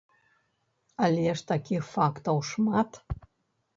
Але ж такіх фактаў шмат.